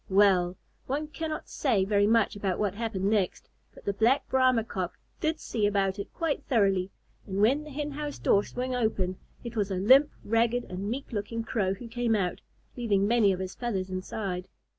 Well! one cannot say very much about what happened next, but the Black Brahma Cock did see about it quite thoroughly, and when the Hen house door swung open, it was a limp, ragged, and meek looking Crow who came out, leaving many of his feathers inside.